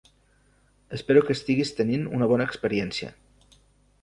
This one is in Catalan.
Espero que estiguis tenint una bona experiència.